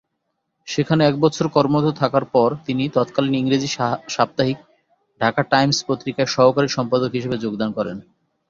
সেখানে এক বছর কর্মরত থাকার পর তিনি তৎকালীন ইংরেজি সাপ্তাহিক ঢাকা টাইমস পত্রিকায় সহকারী সম্পাদক হিসেবে যোগদান করেন।